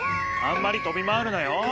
あんまりとび回るなよ。